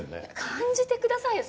感じてくださいよ。